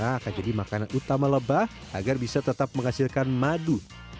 karena akan jadi makanan utama lebah agar bisa tetap menghasilkan madu